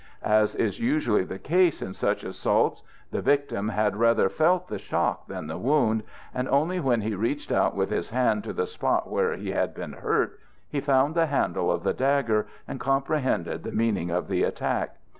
As is usually the case in such assaults, the victim had rather felt the shock than the wound, and only when he reached out with his hand to the spot where he had been hurt, he found the handle of the dagger, and comprehended the meaning of the attack.